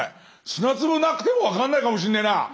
砂粒なくてもわかんないかもしんねえな。